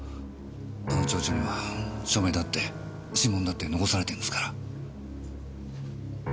あの調書には署名だって指紋だって残されてるんすから。